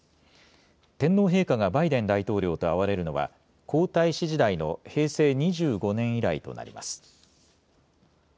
天皇陛下がバイデン大統領と会われるのは皇太子時代の平成２５年以来となります。